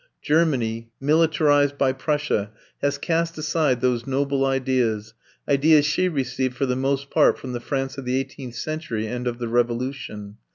Germany, militarized by Prussia, has cast aside those noble ideas, ideas she received for the most part from the France of the eighteenth century and of the Revolution.